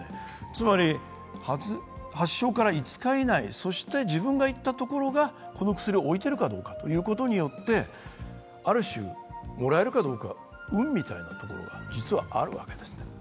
つまり発症から５日以内、そして自分が行ったところがこの薬を置いているかによって、ある種、もらえるかどうかは運みたいなところが実はあるわけですね。